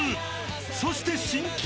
［そして新企画］